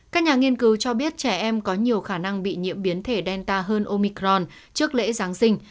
các nhà nghiên cứu cho biết trẻ em có nhiều khả năng bị nhiễm biến thể đen ta hơn omicron trước lễ giáng sinh